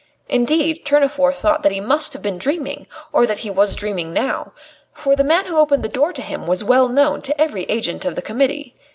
Indeed, Tournefort thought that he must have been dreaming, or that he was dreaming now. For the man who opened the door to him was well known to every agent of the Committee.